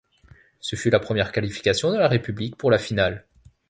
Ce fut la première qualification de la république pour la finale.